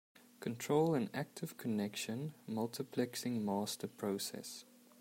Control an active connection multiplexing master process.